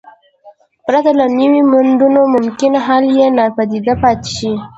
پرته له نویو موندنو ممکن حل یې ناپایده پاتې شي.